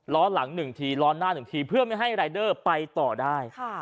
ล้อหลัง๑ทีล้อหน้า๑ทีเพื่อไม่ให้รายเดอร์ไปต่อได้